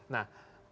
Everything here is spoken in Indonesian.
nah posisi saksi itu